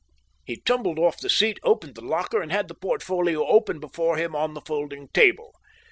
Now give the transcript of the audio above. He tumbled off the seat, opened the locker, and had the portfolio open before him on the folding table.